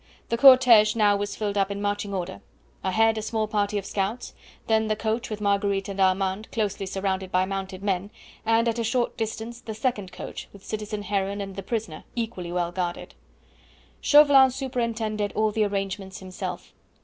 The cortege now was filed up in marching order; ahead a small party of scouts, then the coach with Marguerite and Armand closely surrounded by mounted men, and at a short distance the second coach with citizen Heron and the prisoner equally well guarded. Chauvelin superintended all the arrangements himself.